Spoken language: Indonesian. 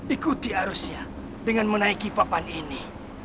ikuti arusnya dengan menaiki papan ini